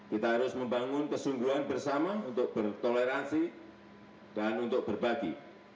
kita harus membangun kesungguhan bersama untuk bertoleransi dan untuk berbagi